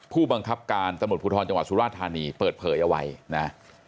ผู้บังคับการตะหมดพุทธรจังหวัดศุราชธานีเปิดเผยไว้นะ